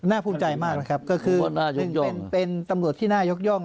ภูมิใจมากนะครับก็คือเป็นตำรวจที่น่ายกย่อง